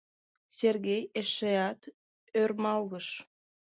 — Сергей эшеат ӧрмалгыш.